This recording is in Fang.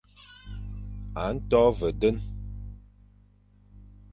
A nto ve den.